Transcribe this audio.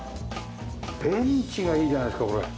ベンチがいいじゃないですかこれ。